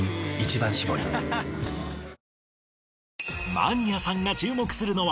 マニアさんが注目するのは